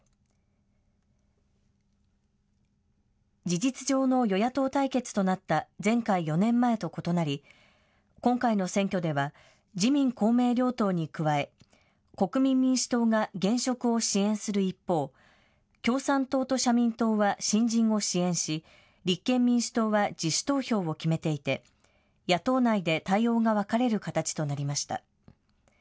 事実上の与野党対決となった前回、４年前と異なり今回の選挙では自民公明両党に加え国民民主党が現職を支援する一方、共産党と社民党は新人を支援し立憲民主党は自主投票を決めていて、野党内で対応が分かれる形となりました。